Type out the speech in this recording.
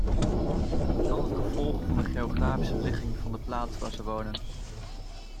Dat kan het gevolg van de geografische ligging van de plaats waar ze wonen.